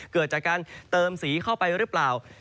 เกิดจากการเติมสีเข้าไปหรือเปล่า